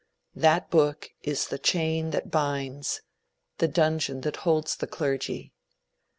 That book is the chain that binds, the dungeon that holds the clergy.